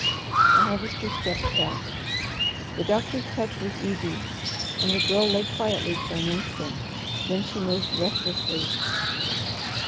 The Harvester stepped back. The doctor's touch was easy and the Girl lay quietly for an instant, then she moved restlessly.